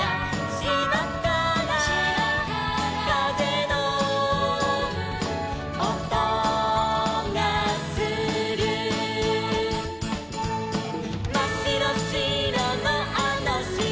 「しまからかぜのおとがする」「まっしろしろのあのしまで」